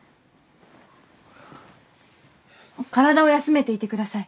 体を休めていて下さい。